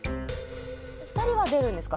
２人は出るんですか？